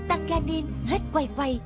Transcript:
tăng ganin hết quay quay